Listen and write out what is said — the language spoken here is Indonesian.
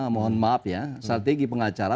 mohon maaf ya strategi pengacara